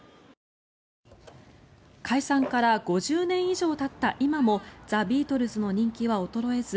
解散から５０年以上たった今もザ・ビートルズの人気は衰えず